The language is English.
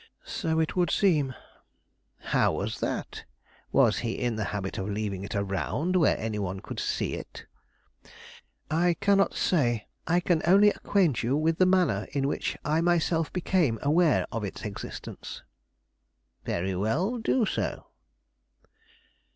"So it would seem." "How was that? Was he in the habit of leaving it around where any one could see it?" "I cannot say; I can only acquaint you with the manner in which I myself became aware of its existence." "Very well, do so."